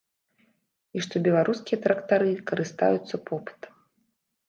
І што беларускія трактары карыстаюцца попытам.